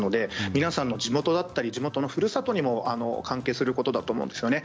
皆さんの地元だったりふるさとにも関係することだと思うんですよね。